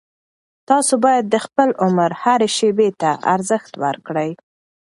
تاسو باید د خپل عمر هرې شېبې ته ارزښت ورکړئ.